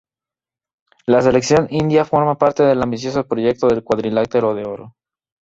La sección india forma parte del ambicioso proyecto del Cuadrilátero de Oro.